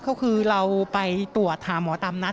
ก็คือเราไปตรวจหาหมอตามนัด